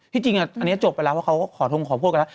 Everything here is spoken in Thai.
ที่จริงอ่ะอันนี้จบไปแล้วเพราะเขาก็ขอโทษกันแล้ว